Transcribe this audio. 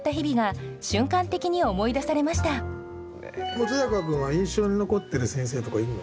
本君は印象に残ってる先生とかいるの？